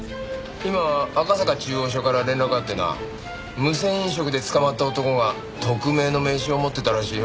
今赤坂中央署から連絡があってな無銭飲食で捕まった男が特命の名刺を持ってたらしいよ。